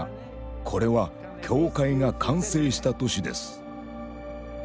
これは教会が完成した年です。